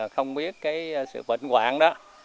không biết cái sự bệnh quạng đó